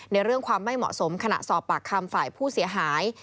ในเรื่องความไม่เหมาะสมขณะสอบปากคำฝ่ายผู้เสียหาย